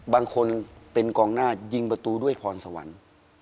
บางคนเป็นกองหน้ายิงประตูด้วยพรสวรรค์